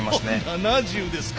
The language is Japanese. ７０ですか！